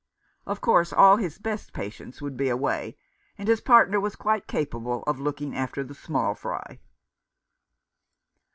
Of course, all his best patients would be away, and his partner was quite capable of looking after the small fry.